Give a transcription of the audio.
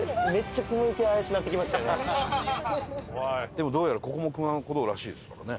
でもどうやらここも熊野古道らしいですからね。